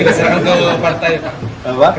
kita serahkan ke partai bawah